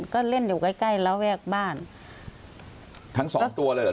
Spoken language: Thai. ก็เล่นอยู่ใกล้ใกล้ระแวกบ้านทั้งสองตัวเลยเหรอ